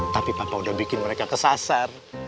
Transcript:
tapi papa udah bikin mereka kesasar